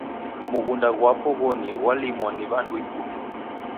Mughunda kwapo ghoni gholimwa ni wandu ikumi